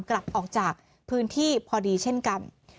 กลับออกจากพื้นที่พอดีเช่นกัน